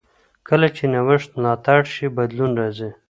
کله چې نوښت ملاتړ شي، بدلون راځي.